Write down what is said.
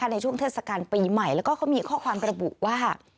ในช่วงเทศกรรมปีใหม่แล้วก็เขามีข้อความประบุว่า